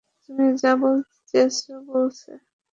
তুমি যা বলতে চেয়েছ, বলেছ।